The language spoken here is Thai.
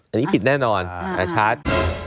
อันนี้ผิดแน่นอนชัด